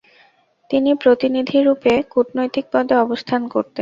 তিনি প্রতিনিধিরূপে কূটনৈতিক পদে অবস্থান করতেন।